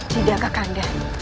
tidak kak kanda